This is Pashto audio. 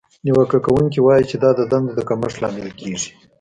نیوکه کوونکې وایي چې دا د دندو د کمښت لامل کیږي.